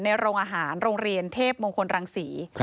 โรงอาหารโรงเรียนเทพมงคลรังศรี